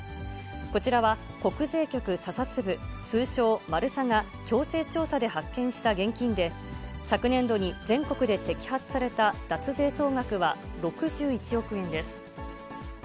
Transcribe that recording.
こちらは、国税局査察部、通称、マルサが、強制調査で発見した現金で、昨年度に全国で摘発された脱税総額は６１億円です。